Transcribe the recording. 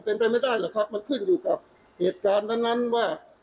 เป็นไปไม่ได้หรอกครับมันขึ้นอยู่กับเหตุการณ์นั้นว่า